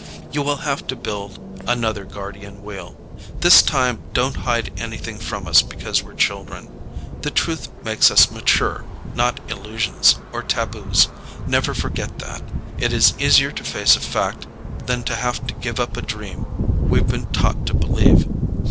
"You will have to build another Guardian Wheel. This time don't hide anything from us because we're children. The truth makes us mature, not illusions or taboos. Never forget that. It is easier to face a fact than to have to give up a dream we've been taught to believe.